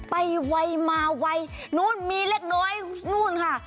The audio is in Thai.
ไปไวมาไวมีเล็กน้อยนู่นค่ะ